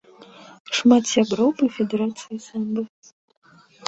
Шмат сяброў па федэрацыі самба.